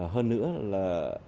hơn nữa là